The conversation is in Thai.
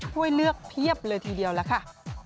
ให้เลือกเพียบเลยทีเดียวล่ะค่ะ